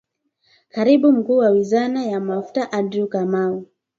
Karibu mkuu wa wizara ya mafuta Andrew Kamau